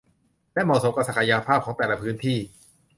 และเหมาะสมกับศักยภาพของแต่ละพื้นที่